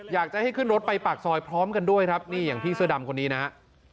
อยากจะให้ขึ้นรถไปปากซอยพร้อมกันด้วยครับนี่อย่างพี่เสื้อดำคนนี้นะฮะ